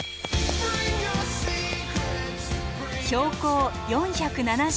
標高４７０